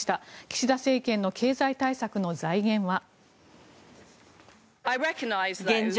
岸田政権の経済対策の財源は。